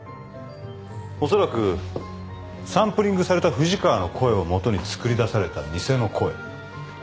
恐らくサンプリングされた藤川の声をもとに作り出された偽の声。